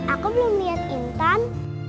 aku belum liat intan